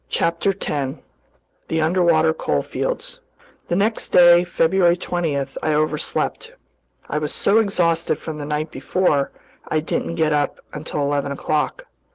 CHAPTER 10 The Underwater Coalfields THE NEXT DAY, February 20, I overslept. I was so exhausted from the night before, I didn't get up until eleven o'clock.